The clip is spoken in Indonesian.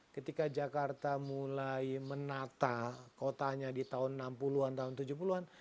ketika jakarta mulai menata kotanya di tahun enam puluh an tahun tujuh puluh an